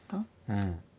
うん。